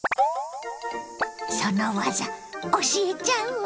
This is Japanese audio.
その技教えちゃうわ！